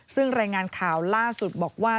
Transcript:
ซึ่งรายงานข่าวล่าสุดบอกว่า